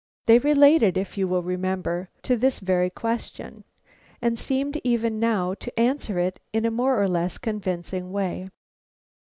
They related, if you will remember, to this very question, and seemed even now to answer it in a more or less convincing way.